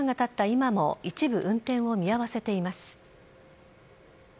今も一部運転を見合わせています。